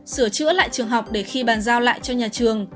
sửa chữa lại trường học để khi bàn giao lại cho nhà trường